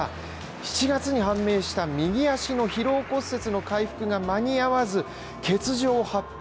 ７月に判明した右足の疲労骨折の回復が間に合わず、欠場を発表。